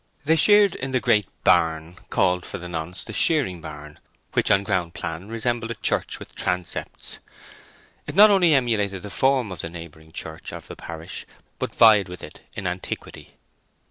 They sheared in the great barn, called for the nonce the Shearing barn, which on ground plan resembled a church with transepts. It not only emulated the form of the neighbouring church of the parish, but vied with it in antiquity.